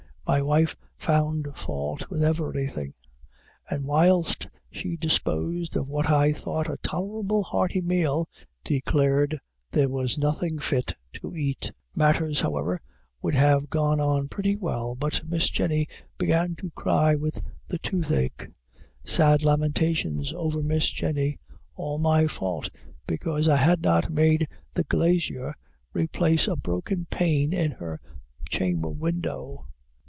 My wife found fault with everything; and whilst she disposed of what I thought a tolerable hearty meal, declared there was nothing fit to eat. Matters, however, would have gone on pretty well, but Miss Jenny began to cry with the toothache sad lamentations over Miss Jenny all my fault because I had not made the glazier replace a broken pane in her chamber window.